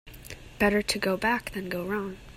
Better to go back than go wrong.